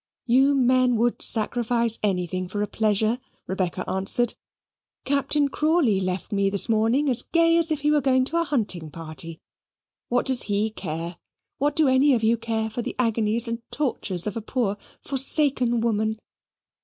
"You men would sacrifice anything for a pleasure," Rebecca answered. "Captain Crawley left me this morning as gay as if he were going to a hunting party. What does he care? What do any of you care for the agonies and tortures of a poor forsaken woman?